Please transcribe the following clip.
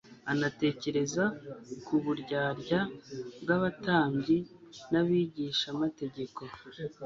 anatekereza ku buryarya bw'abatambyi n'abigishamategeko.